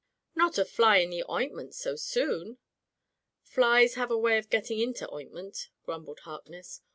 "Not a fly in the ointment so soon ?" "Flies have a way of getting into oint ment," grumbled Harkness.